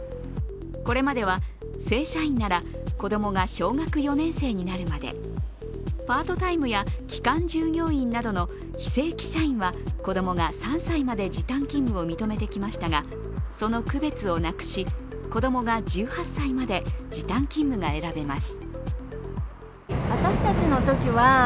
これまでは正社員なら子どもが小学４年生になるまでパートタイムや期間従業員などの非正規社員は子供が３歳まで時短勤務を認めてきましたがその区別をなくし、子供が１８歳まで時短勤務が選べます。